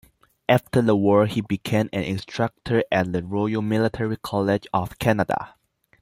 After the War he became an instructor at the Royal Military College of Canada.